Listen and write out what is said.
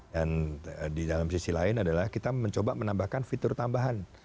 dan di dalam sisi lain adalah kita mencoba menambahkan fitur tambahan